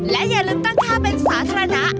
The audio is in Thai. และอย่าลืมตั้งค่าเป็นสาธารณะ